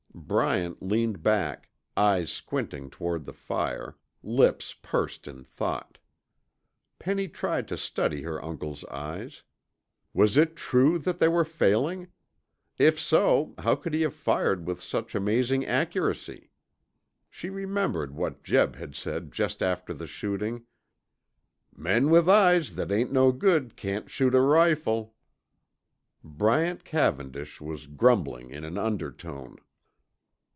Bryant leaned back, eyes squinting toward the fire, lips pursed in thought. Penny tried to study her uncle's eyes. Was it true that they were failing? If so, how could he have fired with such amazing accuracy? She remembered what Jeb had said just after the shooting: "Men with eyes that ain't no good can't shoot a rifle." Bryant Cavendish was grumbling in an undertone.